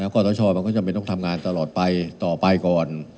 ขอสชมันก็จำเป็นต้องทำงานตลอดไปต่อไปก่อน